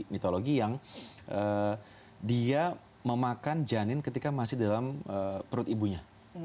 mitologi yang dia memakan janin ketika masih dalam perut ibunya